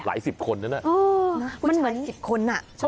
หลายสิบคนนะเนี่ยไม่ใช่๑๐คนอะมั้ยเท่อะ